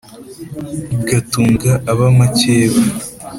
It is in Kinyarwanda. Igatunga ab’amakeba,